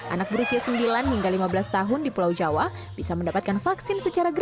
anak berusia sembilan hingga lima belas tahun di pulau jawa bisa mendapatkan vaksin secara gratis